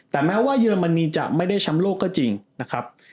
แต่แม้ว่าเยอรมนีจะไม่ได้แชมป์โลกก็จริงนะครับ